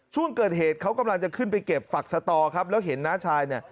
ช่วงเกิดเหตุเขากำลังจะขึ้นไปเก็บฝักสตอครับแล้วเห็นน้าชายเนี่ย